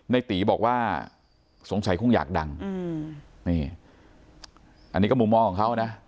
ในตีบอกว่าสงสัยคงอยากดังนี่อันนี้ก็มุมมองของเขานะ